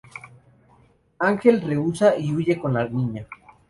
Ángel rehúsa y huye con la niña.